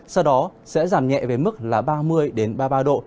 sau đó sẽ giảm nhẹ về mức là ba mươi ba mươi ba độ